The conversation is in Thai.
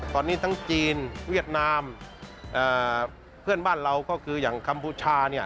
ตอนนี้ทั้งจีนเวียดนามเพื่อนบ้านเราก็คืออย่างกัมพูชาเนี่ย